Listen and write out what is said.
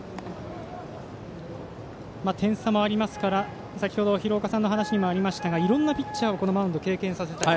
点差もありますから廣岡さんの話にもありましたがいろんなピッチャーをこのマウンド経験させたい。